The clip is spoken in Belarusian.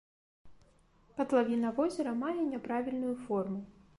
Катлавіна возера мае няправільную форму.